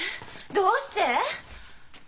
どうして！？